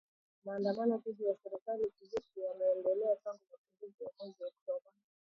Maandamano dhidi ya serikali ya kijeshi yameendelea tangu mapinduzi ya mwezi Oktoba.